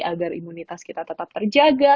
agar imunitas kita tetap terjaga